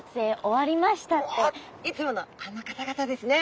いつものあの方々ですね